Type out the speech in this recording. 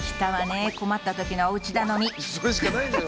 それしかないんだよ